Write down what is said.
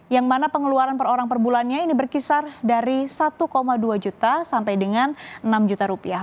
yang mana pengeluaran per orang per bulannya ini berkisar dari satu dua juta sampai dengan enam juta rupiah